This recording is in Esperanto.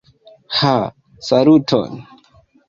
Ha, saluton!